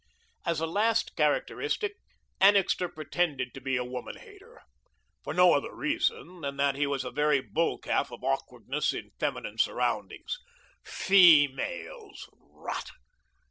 As a last characteristic, Annixter pretended to be a woman hater, for no other reason than that he was a very bull calf of awkwardness in feminine surroundings. Feemales! Rot!